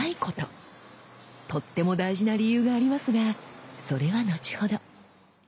とっても大事な理由がありますがそれは後ほど。